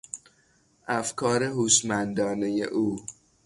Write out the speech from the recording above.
افکار هوشمندانهی او